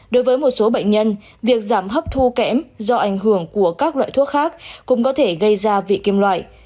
đối với một số bệnh nhân việc giảm hấp thu kém do ảnh hưởng của các loại thuốc khác cũng có thể gây ra vị kim loại